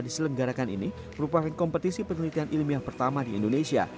diselenggarakan ini merupakan kompetisi penelitian ilmiah pertama di indonesia